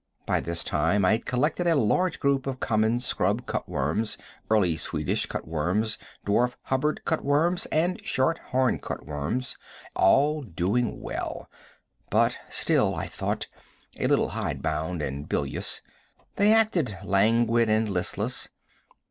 By this time I had collected a large group of common scrub cut worms, early Swedish cut worms, dwarf Hubbard cut worms, and short horn cut worms, all doing well, but still, I thought, a little hide bound and bilious. They acted languid and listless.